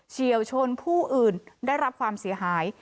เชี่ยวชนผู้อื่นได้รับความเสียหาย